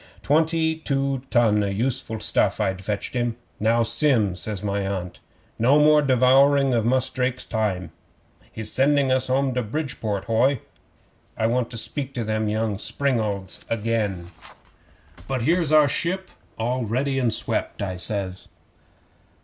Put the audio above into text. Twenty two ton o' useful stuff I'd fetched him. '"Now, Sim," says my Aunt, "no more devouring of Mus' Drake's time. He's sending us home in the Bridport hoy. I want to speak to them young springalds again." '"But here's our ship all ready and swept," I says.